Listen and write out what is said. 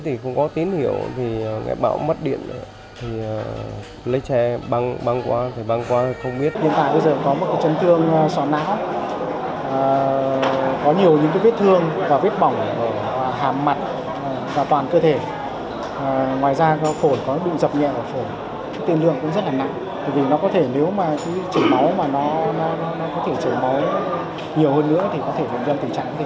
tại vì nó có thể nếu mà chỉ chảy máu mà nó có thể chảy máu nhiều hơn nữa thì có thể dân tỉnh chẳng có thể nặng lên